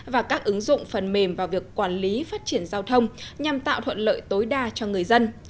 và các ứng dụng phần mềm vào việc quản lý phát triển giao thông nhằm tạo thuận lợi tối đa cho người dân